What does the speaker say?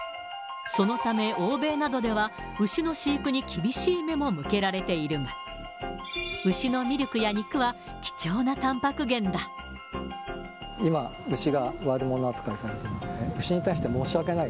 そのため、欧米などでは牛の飼育に厳しい目も向けられているが、牛のミルク今、牛が悪者扱いされてるのでね、牛に対して申し訳ない。